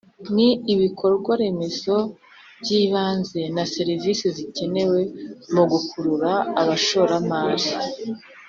ni ibikorwa remezo by’ibanze na serivisi zikenewe mu gukurura abashoramari